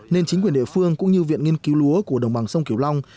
nên chính quyền địa phương cũng như viện nghiên cứu lúa của đồng bằng sông kiều long